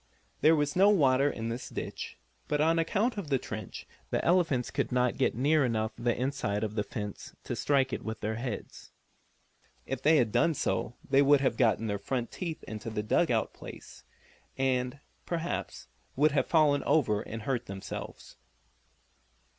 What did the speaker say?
There was no water in this ditch but on account of the trench the elephants could not get near enough the inside of the fence to strike it with their heads. If they had done so they would have gotten their front feet into the dug out place, and, perhaps, would have fallen over and hurt themselves.